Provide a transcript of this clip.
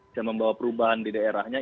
dan membawa perubahan di daerahnya